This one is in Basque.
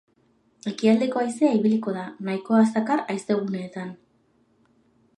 Ekialdeko haizea ibiliko da, nahikoa zakar haizeguneetan.